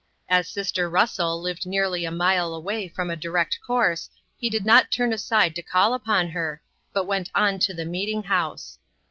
As sister Russell lived nearly a mile away from a direct course, he did not turn aside to call upon her, but went on to the meeting house.